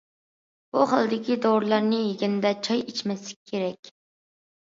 بۇ خىلدىكى دورىلارنى يېگەندە چاي ئىچمەسلىك كېرەك.